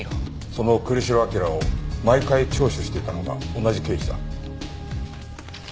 その栗城明良を毎回聴取していたのが同じ刑事だ。